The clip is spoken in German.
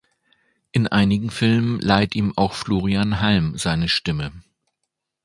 In einigen Filmen leiht ihm auch Florian Halm seine Stimme.